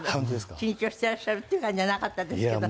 緊張してらっしゃるっていう感じはなかったですけど。